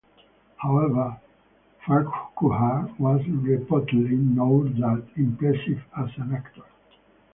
However, Farquhar was reportedly not that impressive as an actor.